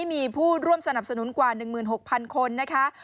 มีผู้ร่วมสนับสนุนกว่า๑๖๐๐คนนะคะ